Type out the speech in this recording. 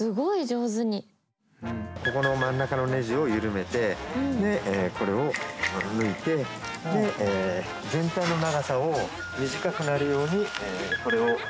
ここの真ん中のネジを緩めてこれを抜いて全体の長さを短くなるようにこれを内側に回して。